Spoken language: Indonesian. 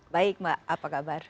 baik mbak apa kabar